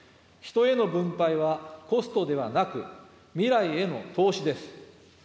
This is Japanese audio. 人への分配はコストではなく、未来への投資です。